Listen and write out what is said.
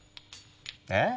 え？